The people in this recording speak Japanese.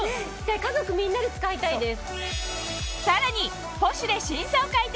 家族みんなで使いたいです。